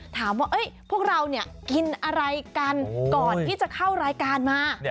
ถามว่าพวกเราเนี่ยกินอะไรกันก่อนที่จะเข้ารายการมา